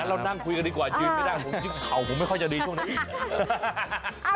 เรานั่งคุยกันดีกว่ายืนไม่ได้ผมคิดเข่าผมไม่ค่อยจะดีช่วงนั้นอีก